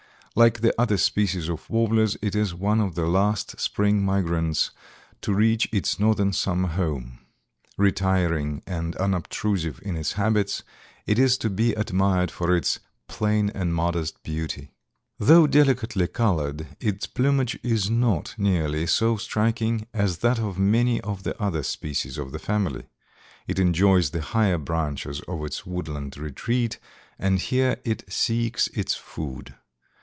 Like the other species of warblers it is one of the last spring migrants to reach its Northern summer home. Retiring and unobtrusive in its habits, it is to be admired for its "plain and modest beauty." Though delicately colored, its plumage is not nearly so striking as that of many of the other species of the family. It enjoys the higher branches of its woodland retreat, and here it seeks its food.